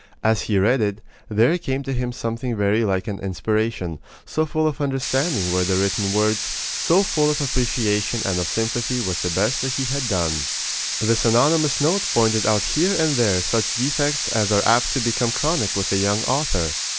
As he read it, there came to him something very like an inspiration, so full of understanding were the written words, so full of appreciation and of sympathy with the best that he had done. This anonymous note pointed out here and there such defects as are apt to become chronic with a young author.